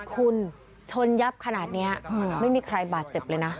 คุณชนยับขนาดนี้ไม่มีใครบาดเจ็บเลยนะ